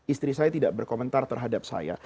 istri saya tidak berkomentar terhadap saya